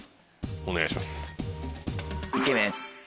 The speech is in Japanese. お願いします。